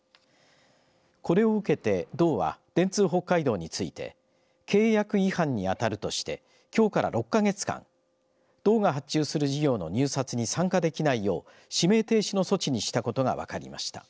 これを受けて道は電通北海道について契約違反に当たるとしてきょうから６か月間道が発注する事業の入札に参加できないよう指名停止の措置にしたことが分かりました。